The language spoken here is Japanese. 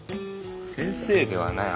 先生ではない。